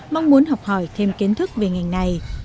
mong muốn học hỏi thêm kiến thức về ngành này